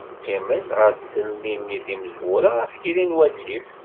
Qqiment ɣer tselnin-nni timezwura, ɣef yiri n wasif.